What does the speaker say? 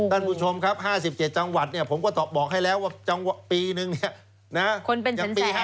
ด้านผู้ชมครับ๕๗จังหวัดเนี่ยผมก็บอกให้แล้วว่าปีนึงเนี่ย